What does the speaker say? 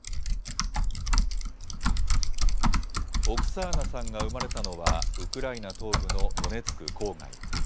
オクサーナさんが生まれたのは、ウクライナ東部のドネツク郊外。